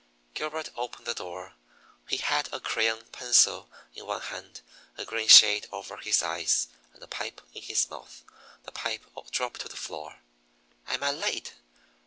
Gilbert opened the door. He had a crayon pencil in one hand, a green shade over his eyes, and a pipe in his mouth. The pipe dropped to the floor. "Am I late?"